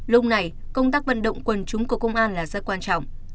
lúc này công tác vận động quần chúng của công an là rất quan trọng